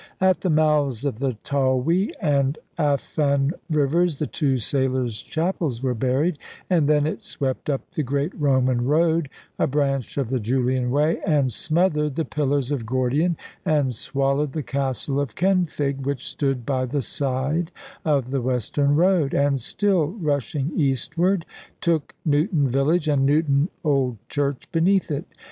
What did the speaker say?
At the mouths of the Tawey and Afan rivers the two sailors' chapels were buried, and then it swept up the great Roman road, a branch of the Julian way, and smothered the pillars of Gordian, and swallowed the castle of Kenfig, which stood by the side of the western road; and still rushing eastward, took Newton village and Newton old church beneath it.